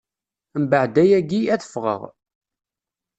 Mbeɛd ayagi, ad ffɣeɣ.